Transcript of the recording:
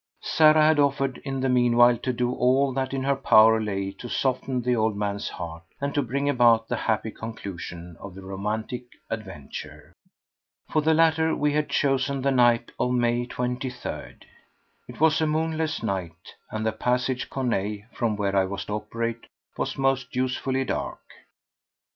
Sarah had offered in the meanwhile to do all that in her power lay to soften the old man's heart and to bring about the happy conclusion of the romantic adventure. For the latter we had chosen the night of May 23rd. It was a moonless night, and the Passage Corneille, from whence I was to operate, was most usefully dark.